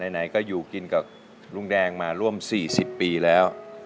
ไหนก็อยู่กินกับลุงแดงมาร่วม๔๐ปีแล้ว